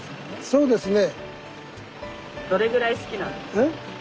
そうですね。